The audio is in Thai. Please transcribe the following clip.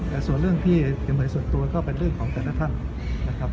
แต่ส่วนเรื่องที่จะเหมือนส่วนตัวก็เป็นเรื่องของแต่ละท่านนะครับ